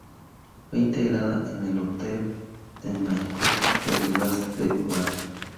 Fue integrada en el otdel de Maikop del óblast de Kubán.